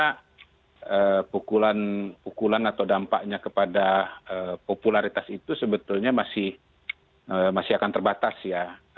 karena pukulan atau dampaknya kepada popularitas itu sebetulnya masih akan terbatas ya